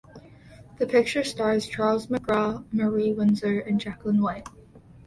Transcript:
The picture stars Charles McGraw, Marie Windsor and Jacqueline White.